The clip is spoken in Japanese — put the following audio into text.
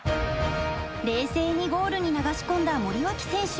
冷静にゴールに流し込んだ森脇選手。